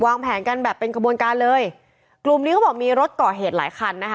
วางแผนกันแบบเป็นกระบวนการเลยกลุ่มนี้เขาบอกมีรถก่อเหตุหลายคันนะคะ